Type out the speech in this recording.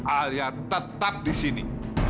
alia tetap di sini